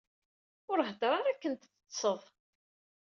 Ur hedder ara akken tettetteḍ.